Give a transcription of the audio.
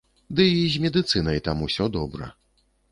Ды і з медыцынай там усё добра.